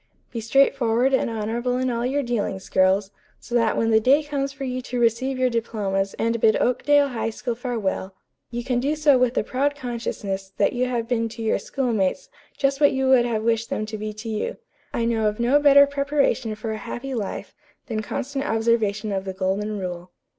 Be straightforward and honorable in all your dealings, girls; so that when the day comes for you to receive your diplomas and bid Oakdale High School farewell, you can do so with the proud consciousness that you have been to your schoolmates just what you would have wished them to be to you. I know of no better preparation for a happy life than constant observation of the golden rule.